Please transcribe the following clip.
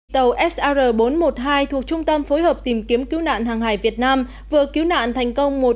tàu sr bốn trăm một mươi hai thuộc trung tâm phối hợp tìm kiếm cứu nạn hàng hải việt nam vừa cứu nạn thành công một